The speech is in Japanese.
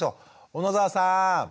小野澤さん。